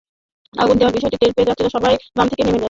আগুন দেওয়ার বিষয়টি টের পেয়ে যাত্রীরা সবাই বাস থেকে নেমে যান।